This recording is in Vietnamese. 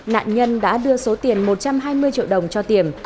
nạn nhân đã đưa số tiền một trăm hai mươi triệu đồng cho tiềm